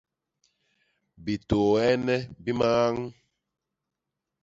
Bitôôene bi miñañ.